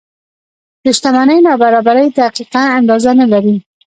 د شتمنۍ نابرابرۍ دقیقه اندازه نه لري.